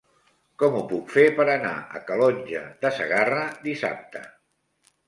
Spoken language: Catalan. Com ho puc fer per anar a Calonge de Segarra dissabte?